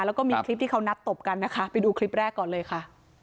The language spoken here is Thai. แล้วก็มีคลิปที่เขานัดตบกันนะคะไปดูคลิปแรกก่อนเลยค่ะ